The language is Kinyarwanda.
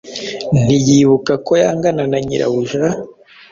ntiyibuka ko yangana na nyirabuja,